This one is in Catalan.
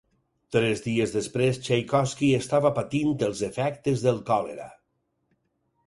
Tres dies després, Txaikovski estava patint els efectes del còlera.